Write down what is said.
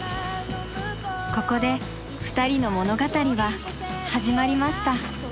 ここで２人の物語は始まりました。